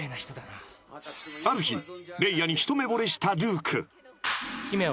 ［ある日レイアに一目ぼれしたルーク］